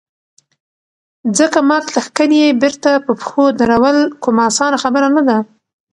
ځکه مات لښکر يې بېرته په پښو درول کومه اسانه خبره نه ده.